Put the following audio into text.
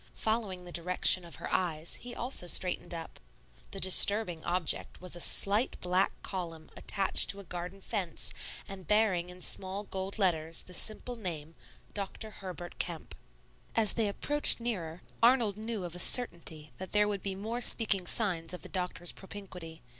Following the direction of her eyes, he also straightened up. The disturbing object was a slight black column attached to a garden fence and bearing in small gold letters the simple name, Dr. Herbert Kemp. As they approached nearer, Arnold knew of a certainty that there would be more speaking signs of the doctor's propinquity.